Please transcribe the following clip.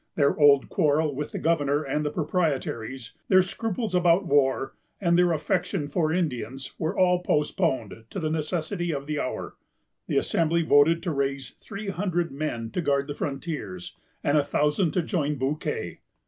Their old quarrel with the governor and the proprietaries, their scruples about war, and their affection for Indians, were all postponed to the necessity of the hour. The Assembly voted to raise three hundred men to guard the frontiers, and a thousand to join Bouquet.